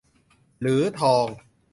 หรือทอง